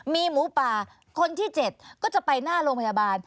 มีหมูป่าคนที่๗ก็จะไปหน้าโรงพยาบาล